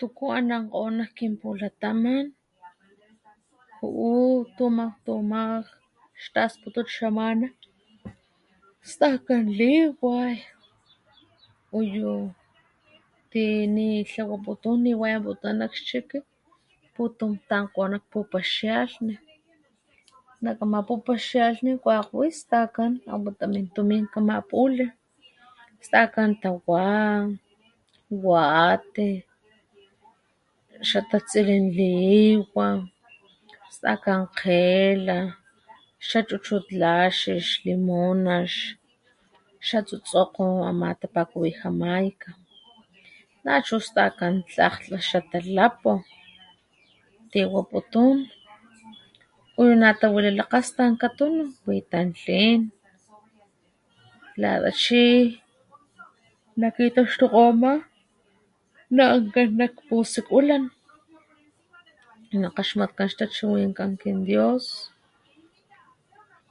Tukú anankgó nak kinpulataman ju'u tumaj tumaj xtaxputut xamana stakanliway oyu tini xlawaputum ni wekg litlan nak chiki putum tankgolo ku puxexni na kamapupuxexni kgwewispakgan ama tamin tumín tamapulhi statantakwán wati xa tatsilin liwa stakan kgela xachuchut laxix limunax xatutsokgo amá tipat wi jamaika nachu stakan tlakgtla xatalapu tiwaputún y natanwirilakgaspan katum wi tantlin lalaxi laki tuxtukgu amá nak kganak kgawasakwelan nak kaxmatkgaxtak chiwinkan kindios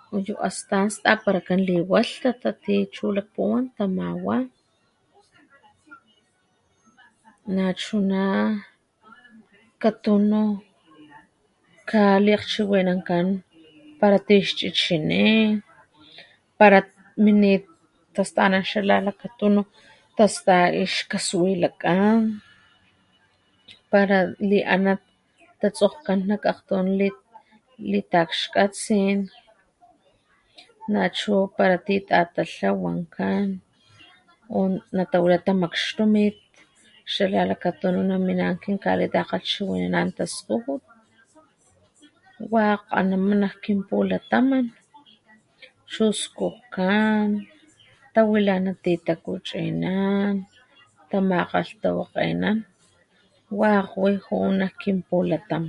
kuyu akstastak parakan lhiwa lhtakgati chu lakpuwán tanawal na chuná katunu kgali akgchiwinankán para tixchichiní par minit tustanán xalá lakatunu pax ta ixkasuwi lakgán para li ana tatsokgan nak kakgtanlit lipaxkatsin na chu para titatlalhawankán wan latawa tamakgxtumit xala lakatanu na mina kinkaretakachiwinan taskuju wekg kgal namana kinpulataman chu xkgokgán tawilá natit takuchinán kama kgalhtawakgena wa jul j'un nak kinpulataman.